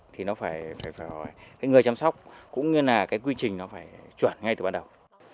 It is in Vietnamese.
thì nó phải phải hỏi người chăm sóc cũng như là cái quy trình nó phải chuẩn ngay từ bắt đầu